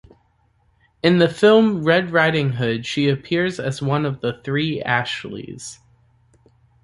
In the film "Red Riding Hood" she appears as one of "The Three Ashleys.